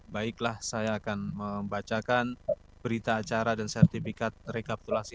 baiklah saya akan membacakan berita acara dan sertifikat rekapitulasi